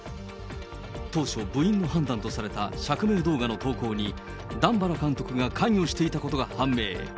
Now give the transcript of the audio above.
当初、部員の判断とされた釈明動画の投稿に、段原監督が関与していたことが判明。